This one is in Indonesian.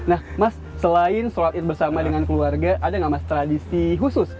nah mas selain sholat id bersama dengan keluarga ada nggak mas tradisi khusus